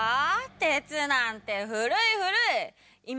鉄なんて古い古い！